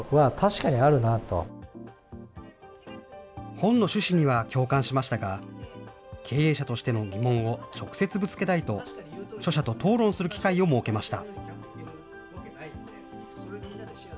本の主旨には共感しましたが、経営者としての疑問を直接ぶつけたいと、著者と討論する機会を設けました。